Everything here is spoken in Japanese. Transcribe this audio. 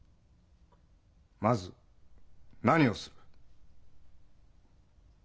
まず何をする？